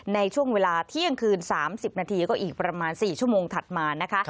ในช่วงเวลาเที่ยงคืน๓๐นาทีก็อีกประมาณ๔ชั่วโมงถัดมานะคะ